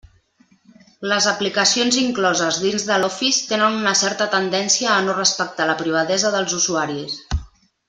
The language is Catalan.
Les aplicacions incloses dins de l'Office tenen una certa tendència a no respectar la privadesa dels usuaris.